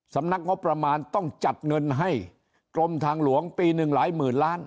สำนักงบประมาณต้องจัดเงินให้กรมทางหลวงปีหนึ่งหลายหมื่นล้าน